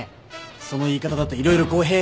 その言い方だと色々語弊が。